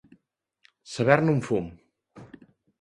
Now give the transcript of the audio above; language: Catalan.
Saber-ne un fum.